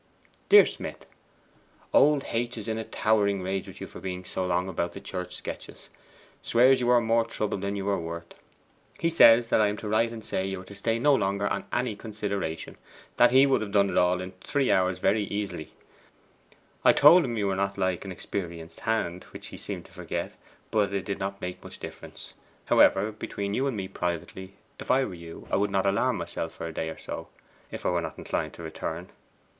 'DEAR SMITH, Old H. is in a towering rage with you for being so long about the church sketches. Swears you are more trouble than you are worth. He says I am to write and say you are to stay no longer on any consideration that he would have done it all in three hours very easily. I told him that you were not like an experienced hand, which he seemed to forget, but it did not make much difference. However, between you and me privately, if I were you I would not alarm myself for a day or so, if I were not inclined to return.